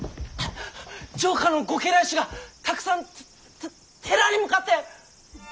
城下のご家来衆がたくさんてて寺に向かって！